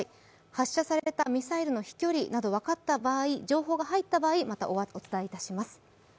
発射されてからミサイルの飛距離などの情報が入った場合、またお伝えします。